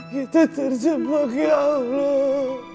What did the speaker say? kita terjebak ya allah